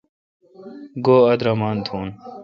گوا اودرمان تھون۔